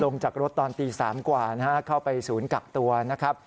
จากรถตอนตี๓กว่านะฮะเข้าไปศูนย์กักตัวนะครับ